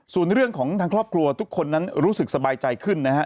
ส่วนเรื่องของทางครอบครัวทุกคนนั้นรู้สึกสบายใจขึ้นนะฮะ